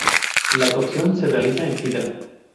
La cocción se realiza en sidra.